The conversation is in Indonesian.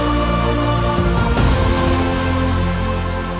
perjalanan pemerintahan berjajaran